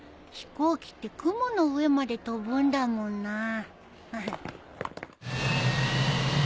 飛行機って雲の上まで飛ぶんだもんな。